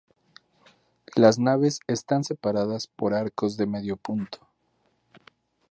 Las naves están separadas por arcos de medio punto.